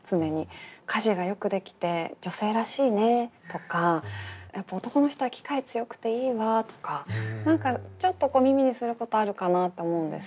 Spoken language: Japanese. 家事がよくできて女性らしいねとかやっぱ男の人は機械強くていいわとか何かちょっと耳にすることあるかなと思うんですけど。